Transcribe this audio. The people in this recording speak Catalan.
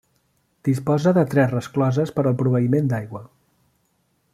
Disposa de tres rescloses per al proveïment d'aigua.